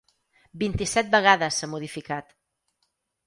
Vint-i-set vegades s’ha modificat.